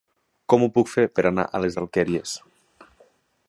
Com ho puc fer per anar a les Alqueries?